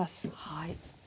はい。